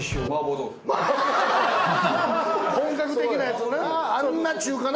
本格的なやつな。